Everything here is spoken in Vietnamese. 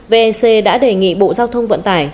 vec đã đề nghị bộ giao thông vận tải